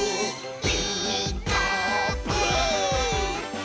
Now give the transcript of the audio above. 「ピーカーブ！」